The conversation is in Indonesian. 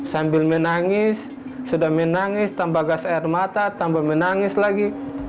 sambil menangis sudah menangis tambah gas air mata tambah menangis lagi